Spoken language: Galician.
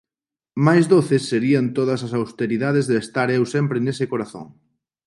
Máis doces serían todas as austeridades de estar eu sempre nese corazón.